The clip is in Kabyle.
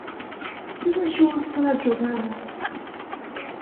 Iwacu ur tettrajuḍ da?